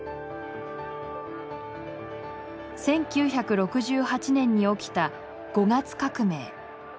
１９６８年に起きた５月革命。